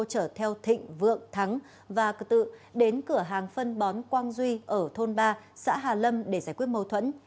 chở theo thịnh vượng thắng và tự đến cửa hàng phân bón quang duy ở thôn ba xã hà lâm để giải quyết mâu thuẫn